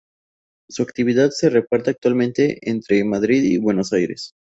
Su actividad se reparte actualmente entre Madrid y Buenos Aires.